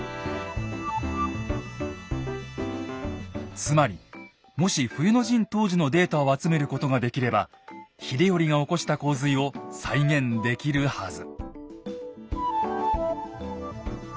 つまりもし冬の陣当時のデータを集めることができれば秀頼が起こした洪水を再現できるはず。